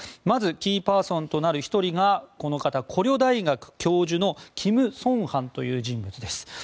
まず、キーパーソンとなる１人が高麗大学教授のキム・ソンハンという人物。